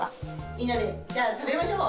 みんなでじゃあ食べましょう！